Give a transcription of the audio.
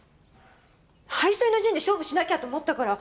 背水の陣で勝負しなきゃと思ったから。